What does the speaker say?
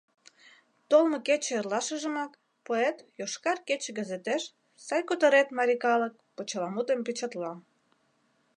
Толмо кече эрлашыжымак поэт «Йошкар кече» газетеш «Сай кутырет, марий калык» почеламутым печатла.